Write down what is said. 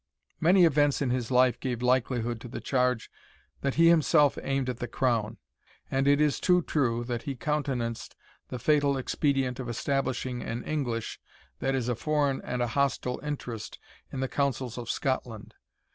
Many events in his life gave likelihood to the charge that he himself aimed at the crown; and it is too true, that he countenanced the fatal expedient of establishing an English, that is a foreign and a hostile interest, in the councils of Scotland.